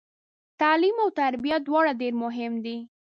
تعلیم او تربیه دواړه ډیر مهم دي